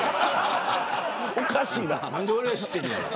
おかしいな。